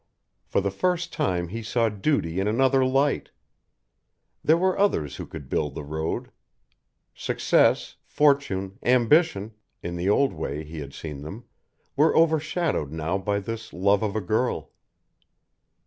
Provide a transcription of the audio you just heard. For the first time he saw duty in another light. There were others who could build the road; success, fortune, ambition in the old way he had seen them were overshadowed now by this love of a girl.